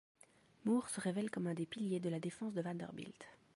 Moore se révèle comme un des piliers de la défense de Vanderbilt.